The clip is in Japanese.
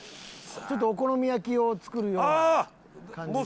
ちょっとお好み焼きを作るような感じで。